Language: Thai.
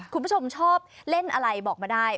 คุณผู้ชมชอบเล่นอะไรบอกมาได้